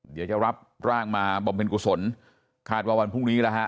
เดี๋ยวจะรับร่างมาบำเพ็ญกุศลคาดว่าวันพรุ่งนี้แล้วฮะ